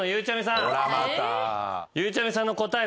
ゆうちゃみさんの答え